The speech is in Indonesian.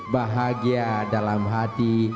bahagia dalam hati